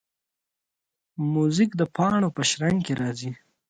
موزیک د پاڼو په شرنګ کې راځي.